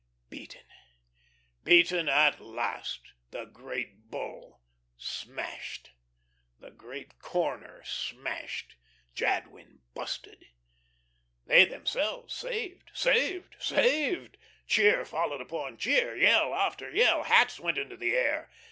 Beaten; beaten at last, the Great Bull! Smashed! The great corner smashed! Jadwin busted! They themselves saved, saved, saved! Cheer followed upon cheer, yell after yell. Hats went into the air.